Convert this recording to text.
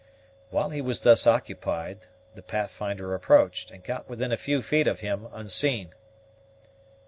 While he was thus occupied, the Pathfinder approached, and got within a few feet of him unseen.